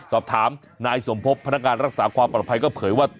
สอบถามนายสมพบพนักงานรักษาความปลอดภัยก็เผยว่า